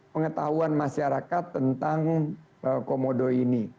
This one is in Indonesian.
pengetahuan masyarakat tentang komodo ini